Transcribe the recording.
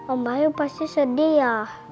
om mbak pasti sedih ya